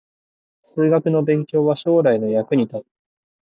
数学の勉強は将来の役に立つ